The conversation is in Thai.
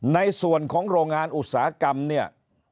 ในส่วนของโรงงานอุตสาหกรรมเนี่ย